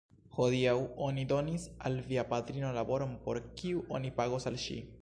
Hodiaŭ oni donis al via patrino laboron, por kiu oni pagos al ŝi.